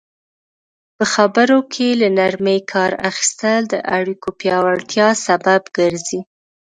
په خبرو کې له نرمي کار اخیستل د اړیکو پیاوړتیا سبب ګرځي.